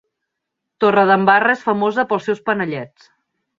Torredembarra és famosa pels seus panellets.